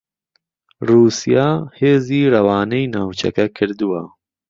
رووسیا هێزی رەوانەی ناوچەکە کردووە